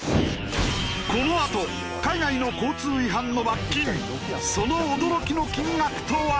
このあと海外の交通違反の罰金その驚きの金額とは？